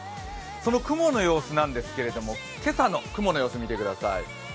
その雲の様子なんですけれども、今朝の雲の様子見てください。